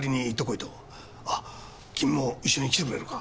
あっ君も一緒に来てくれるか？